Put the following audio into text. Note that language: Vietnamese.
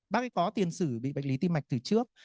bác ấy có tiền sử bị bệnh lý tim mạch từ trước